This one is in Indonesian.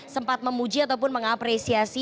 sempat memuji ataupun mengapresiasi